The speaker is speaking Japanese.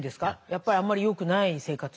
やっぱりあんまりよくない生活？